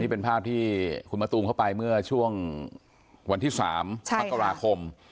นี่เป็นภาพที่คุณมดดำเข้าไปเมื่อช่วงวันที่สามใช่ค่ะพักกราคม